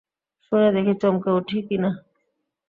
শুনে দেখি চমকে উঠি কি না।